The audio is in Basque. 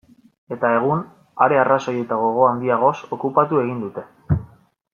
Eta egun, are arrazoi eta gogo handiagoz, okupatu egin dute.